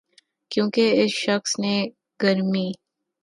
کیونکہ اس شخص نے گرمی